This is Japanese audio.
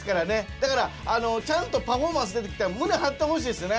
だからちゃんとパフォーマンス出てきたら胸張ってほしいですよね。